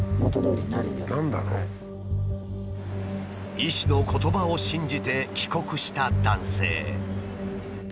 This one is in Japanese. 医師の言葉を信じて帰国した男性。